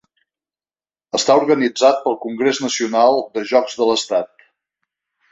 Està organitzat pel Congrés Nacional de Jocs de l'Estat.